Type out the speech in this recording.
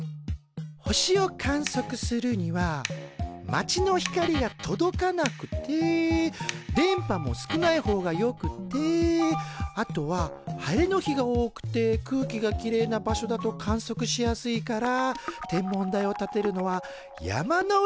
星を観測するには街の光が届かなくて電波も少ない方がよくてあとは晴れの日が多くて空気がきれいな場所だと観測しやすいから天文台を建てるのは山の上が一番なんだよ。